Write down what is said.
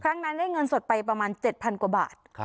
ครั้งนั้นได้เงินสดไปประมาณ๗๐๐กว่าบาท